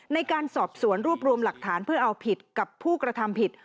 ในการสอบสวนรวบรวมหลักฐานเพื่อเอาผิดกับผู้กระทำผิด